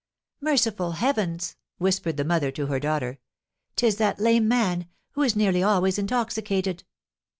"Merciful heavens!" whispered the mother to her daughter, "'tis that lame man, who is nearly always intoxicated."